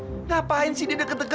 jangan undes cuadernar ceriak